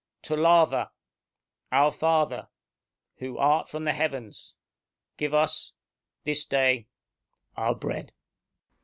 "Tolava our father who art from the heavens give us this day our bread!"